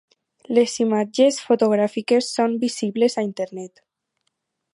Les imatges fotogràfiques són visibles a internet.